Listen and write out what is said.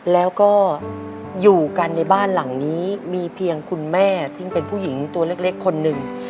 แล้วก็อยู่กันในบ้านหลังนี้มีเพียงคุณแม่ซึ่งเป็นผู้หญิงตัวเล็กคนหนึ่ง